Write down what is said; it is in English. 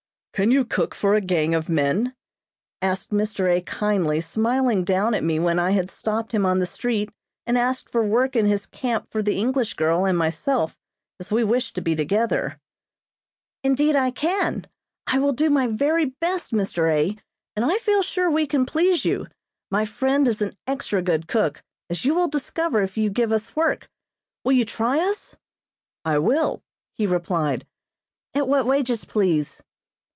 "Can you cook for a gang of men?" asked Mr. A. kindly smiling down at me when I had stopped him on the street and asked for work in his camp for the English girl and myself, as we wished to be together. "Indeed, I can. I will do my very best, Mr. A., and I feel sure we can please you. My friend is an extra good cook, as you will discover if you give us work. Will you try us?" "I will," he replied. "At what wages, please?"